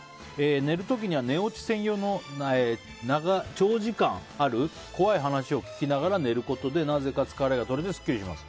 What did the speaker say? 寝る時には寝落ち専用の長時間ある怖い話を聞きながら寝ることでなぜか疲れが取れてスッキリします。